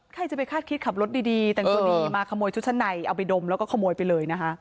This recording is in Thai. ใครจะไปคาดคิดขับรถดีแต่งตัวดีมาขโมยชุดชั้นในเอาไปดมแล้วก็ขโมยไปเลยนะคะ